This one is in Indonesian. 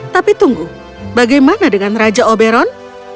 tapi tunggu bagaimana dengan raja oberon